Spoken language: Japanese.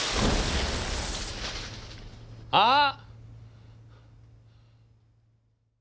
あっ！